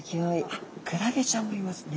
あクラゲちゃんもいますね。